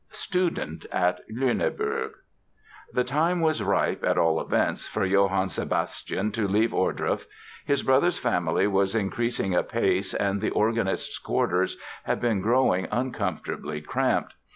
STUDENT AT LÜNEBURG The time was ripe, at all events, for Johann Sebastian to leave Ohrdruf. His brother's family was increasing apace and the organist's quarters had been growing uncomfortably cramped.